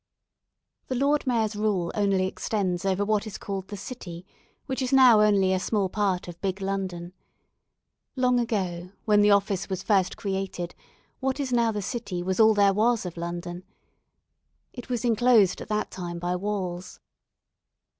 The Lord Mayor's rule only extends over what is called the "City," which is now only a small part of big London. Long ago, when the office was first created, what is now the "City" was all there was of London. It was enclosed at that time by walls.